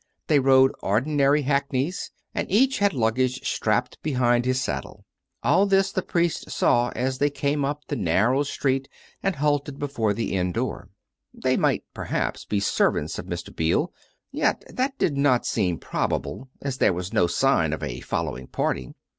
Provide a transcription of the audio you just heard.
They rode ordinary hackneys ; and each had luggage strapped be hind his saddle. All this the priest saw as they came up the narrow street and halted before the inn door. They 34,8 COME RACK! COME ROPE! mighty perhaps, be servants of Mr. Beale; yet that did not seem probable as there was no sign of a following party.